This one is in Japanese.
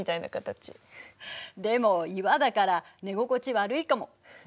でも岩だから寝心地悪いかも。